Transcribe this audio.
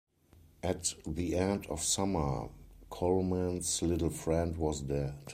At the end of summer, Colman's little friend was dead.